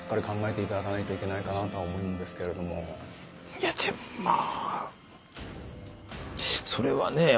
いやでもまあ。